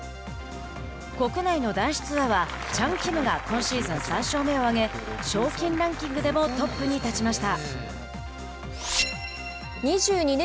国内の男子ツアーはチャン・キムが今シーズン３勝目を挙げ賞金ランキングでもトップに立ちました。